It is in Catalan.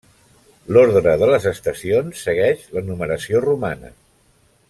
L'ordre de les estacions segueix la numeració romana.